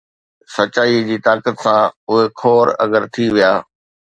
سچائيءَ جي طاقت سان، اهي حُور ’اگر‘ ٿي ويا